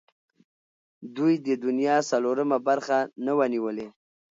دوی د دنیا څلورمه برخه نه وه نیولې.